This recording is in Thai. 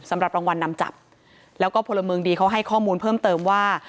สำหรับรางวัลนำจับแล้วก็พลเมืองดีเขาให้ข้อมูลเพิ่มเติมว่า